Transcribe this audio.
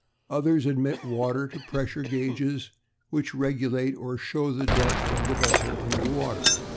Others admit water to pressure gauges, which regulate or show the depth of the vessel under water.